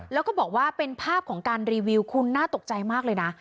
แล้วก็บอกว่าเป็นภาพของการรีวิวคุณน่าตกใจมากเลยนะ